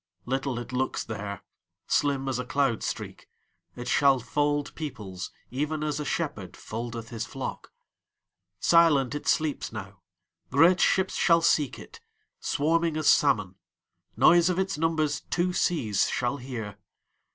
Little it looks there, Slim as a cloud streak; It shall fold peoplesEven as a shepherdFoldeth his flock. Silent it sleeps now; Great ships shall seek it, Swarming as salmon; Noise of its numbersTwo seas shall hear.